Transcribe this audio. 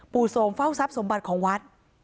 โสมเฝ้าทรัพย์สมบัติของวัด